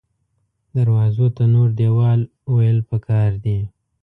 دروازو ته نور دیوال ویل پکار دې